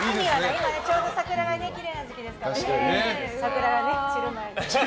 今ちょうど桜がきれいな時期ですからね。